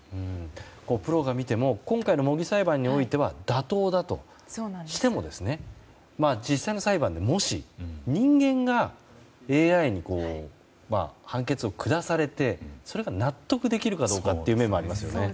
プロが見ても今回の模擬裁判においては妥当だとしても実際の裁判でもし、人間がＡＩに判決を下されてそれが納得できるかどうかという面もありますよね。